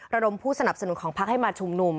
ระดมผู้สนับสนุนของพักให้มาชุมนุม